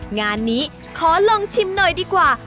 งานนี้ขอลองชิมหน่อยดีกว่า